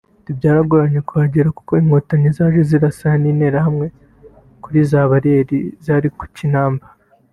Byaragoranye kuhagera kuko Inkotanyi zaje zirasana n’interahamwe kuri za bariyeri zari ku Kinamba